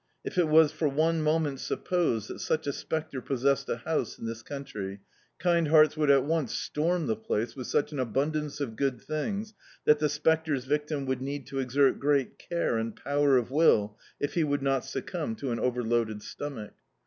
If it was for one moment supposed that such a spectre possessed a house in this country, kind hearts would at once storm the place with such an abundance of good things that the spectre's victim would need to exert great care and power of will, if he would not succumb to an overloaded st<anach.